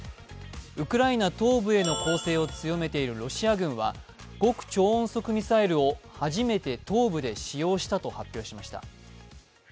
ウクライナ東部への攻勢を強めているロシア軍は極超音速ミサイルを初めて東部で使用したと発表しました。